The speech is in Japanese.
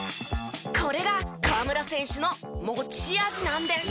これが河村選手の持ち味なんです。